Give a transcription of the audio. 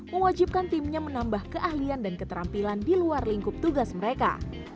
mewajibkan timnya menambah keahlian dan keterampilan di luar lingkup tugas mereka